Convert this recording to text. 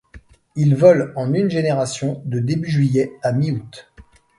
Il vole en une génération de début juillet à mi-août.